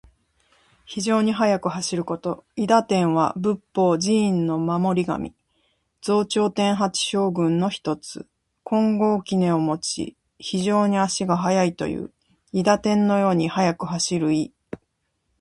非常に速く走ること。「韋駄天」は仏法・寺院の守り神。増長天八将軍の一。金剛杵をもち、非常に足が速いという。韋駄天のように速く走る意。